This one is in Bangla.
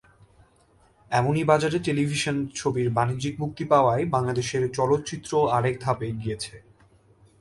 এমনই বাজারে টেলিভিশন ছবির বাণিজ্যিক মুক্তি পাওয়ায় বাংলাদেশের চলচ্চিত্র আরেক ধাপ এগিয়েছে।